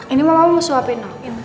ini mama mau suapin ma